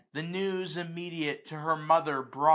300 The news immediate to her mother brought.